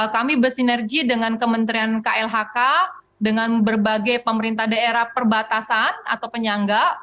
kami bersinergi dengan kementerian klhk dengan berbagai pemerintah daerah perbatasan atau penyangga